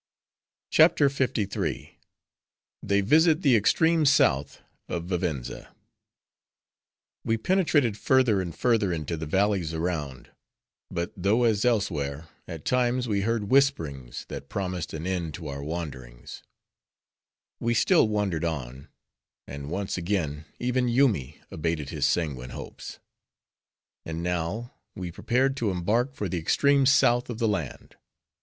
CHAPTER LVIII. They Visit The Extreme South Of Vivenza We penetrated further and further into the valleys around; but, though, as elsewhere, at times we heard whisperings that promised an end to our wanderings;—we still wandered on; and once again, even Yoomy abated his sanguine hopes. And now, we prepared to embark for the extreme south of the land.